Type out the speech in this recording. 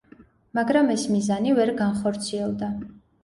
მაგრამ ეს მიზანი ვერ განხორციელდა.